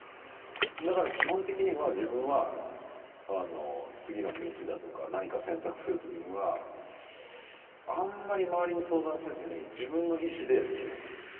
だから基本的には自分は次の道だとか何か選択する時にはあんまり周りに相談せずに自分の意志で決めます。